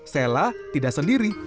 sela tidak sendiri